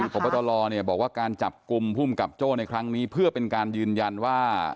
พบตรบอกว่าการจับกลุ่มภูมิกับโจ้ในครั้งนี้เพื่อเป็นการยืนยันว่า